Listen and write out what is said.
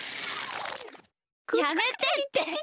やめてって。